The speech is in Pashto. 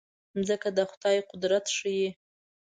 مځکه د خدای قدرت ښيي.